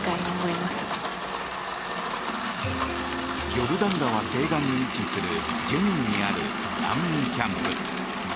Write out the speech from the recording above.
ヨルダン川西岸に位置するジェニンにある難民キャンプ。